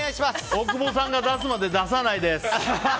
大久保さんが出すまで出さないです。